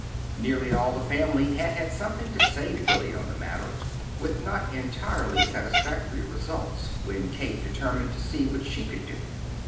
Nearly all the family had had something to say to Billy on the matter, with not entirely satisfactory results, when Kate determined to see what she could do.